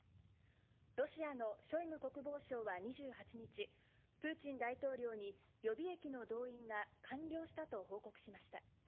ロシアのショイグ国防相は２８日、プーチン大統領に予備役の動員が完了したと報告しました。